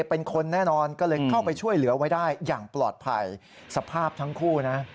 เป็นคนแน่นอนก็เลยเข้าไปช่วยเหลือไว้ได้อย่างปลอดภัยสภาพทั้งคู่นะ